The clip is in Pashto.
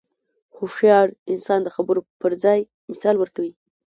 هوښیار انسان د خبرو پر ځای مثال ورکوي.